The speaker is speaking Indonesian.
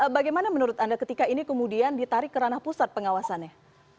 bagaimana menurut anda ketika ini kemudian ditarik ke ranah pusat pengawasannya